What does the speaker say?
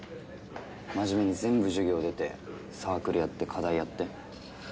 真面目に全部授業出てサークルやって課題やって。